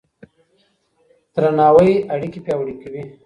درناوی اړيکې پياوړې کوي.